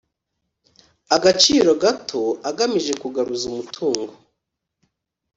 Agaciro gato agamije kugaruza umutungo